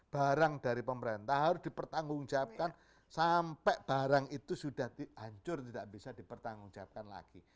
barang dari pemerintah harus dipertanggungjawabkan sampai barang itu sudah hancur tidak bisa dipertanggungjawabkan lagi